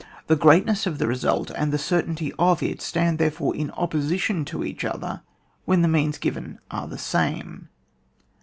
The greatness of the result, and the certainty of it, stand therefore in opposition to each other when the means given are the same.